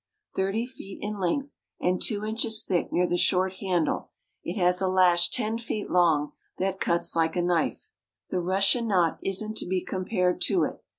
Thirty feet in length, and two inches thick near the short handle, it has a lash ten feet long that cuts like a knife. The Russian knout isn't to be compared to it.